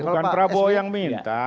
bukan pak sby bukan pak prabowo yang minta